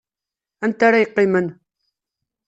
Anta ara yeqqimen?